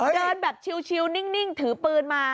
เดินแบบชิลนิ่งถือปืนมา